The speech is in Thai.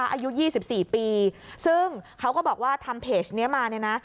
อายุ๒๔ปีซึ่งเขาก็บอกว่าทำเพจนี้มาเนี่ยนะ